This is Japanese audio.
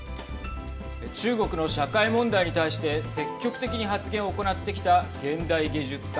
中国の社会問題に対して積極的に発言を行ってきた現代芸術家